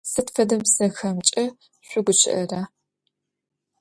Сыд фэдэ бзэхэмкӏэ шъугущыӏэра?